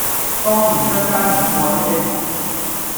當年身家已過一憶